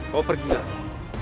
kau pergi dulu